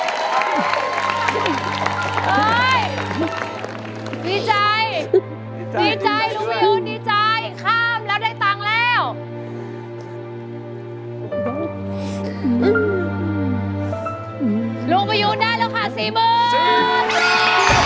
ตอนนี้ก็จะเหลือแผ่นที่๑แผ่นที่๒